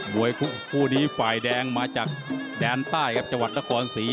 มวยกู้นี้ฝ่ายแดงมาจากด้านใต้ครับจวัตรละครศรี